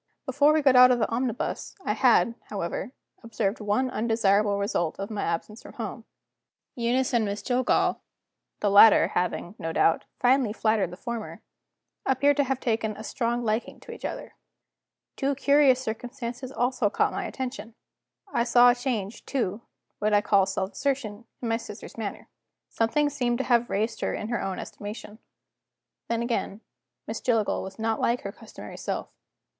Before we got out of the omnibus I had, however, observed one undesirable result of my absence from home. Eunice and Miss Jillgall the latter having, no doubt, finely flattered the former appeared to have taken a strong liking to each other. Two curious circumstances also caught my attention. I saw a change to, what I call self assertion, in my sister's manner; something seemed to have raised her in her own estimation. Then, again, Miss Jillgall was not like her customary self.